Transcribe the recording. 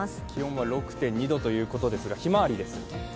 気温は６．２度ということですがひまわりです。